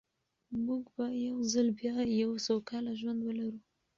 موږ به یو ځل بیا یو سوکاله ژوند ولرو.